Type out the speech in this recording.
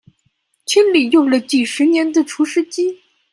清理用了十幾年的除濕機